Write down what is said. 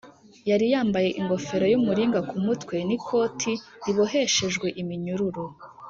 Yari yambaye ingofero y’umuringa ku mutwe n’ikoti riboheshejwe iminyururu